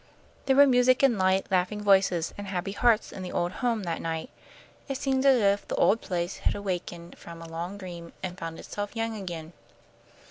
There were music and light, laughing voices and happy hearts in the old home that night. It seemed as if the old place had awakened from a long dream and found itself young again.